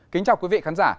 kính chào quý vị khán giả